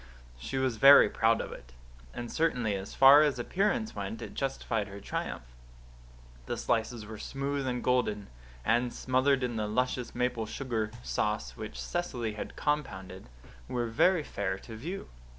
She was very proud of it; and certainly as far as appearance went it justified her triumph. The slices were smooth and golden; and, smothered in the luscious maple sugar sauce which Cecily had compounded, were very fair to view.